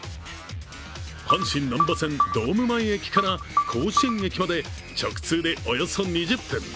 阪神なんば線ドーム前駅から甲子園駅まで直通でおよそ２０分。